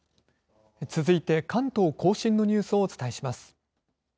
続いて関東甲信のニュースをお伝えします。